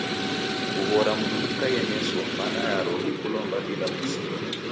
Kughora mndu ukaie meso mana yaro ni kulomba bila kusilwa.